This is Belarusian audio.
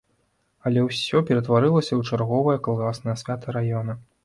Але ўсе ператварылася ў чарговае калгаснае свята раёна.